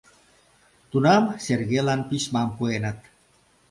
Тунам Сергейлан письмам пуэныт.